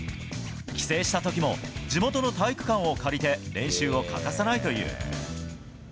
帰省した時も地元の体育館を借りて練習を欠かさないという。